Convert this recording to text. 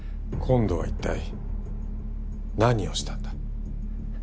今度は一体何をしたんだ。